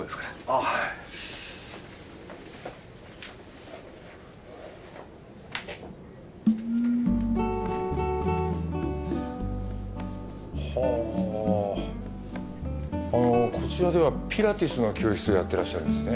あのこちらではピラティスの教室をやってらっしゃるんですね。